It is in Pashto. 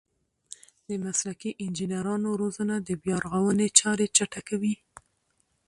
د مسلکي انجنیرانو روزنه د بیارغونې چارې چټکوي.